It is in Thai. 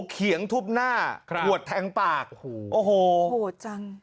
เขียงทุบหน้าครับหัวแท้งปากโอ้โหโหจัง